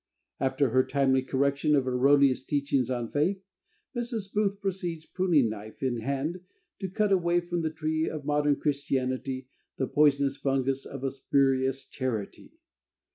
After her timely correction of erroneous teachings on faith, Mrs. Booth proceeds, pruning knife in hand, to cut away from the tree of modern Christianity the poisonous fungus of a "spurious charity."